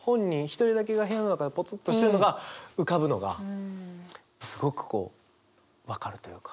一人だけが部屋の中でポツンとしてるのが浮かぶのがすごく分かるというか。